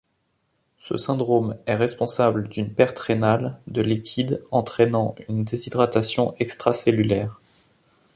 Ce syndrome est responsable d'une perte rénale de liquides entraînant une déshydratation extracellulaire.